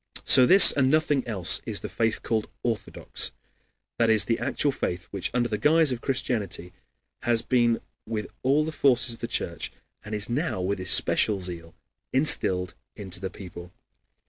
So this, and nothing else, is the faith called Orthodox, that is the actual faith which, under the guise of Christianity, has been with all the forces of the Church, and is now with especial zeal, instilled into the people.